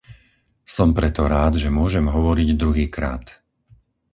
Som preto rád, že môžem hovoriť druhýkrát.